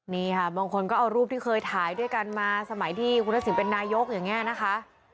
นี่ค่ะบางคนก็เอารูปที่เคยถ่ายด้วยกันมาสมัยที่คุณทักษิณเป็นนายกอย่างนี้นะคะ